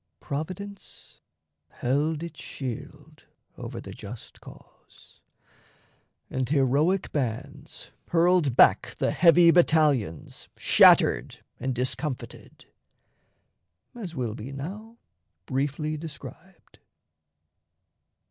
Providence held its shield over the just cause, and heroic bands hurled back the heavy battalions shattered and discomfited, as will be now briefly described.